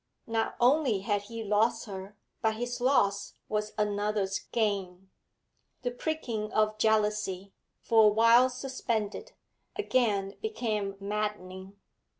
Not only had he lost her, but his loss was another's gain. The pricking of jealousy, for a while suspended, again became maddening.